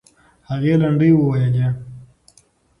هغې لنډۍ وویلې.